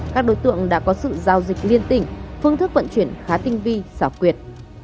các đối tượng đã có sự giao dịch liên tỉnh phương thức vận chuyển khá tinh vi xảo quyệt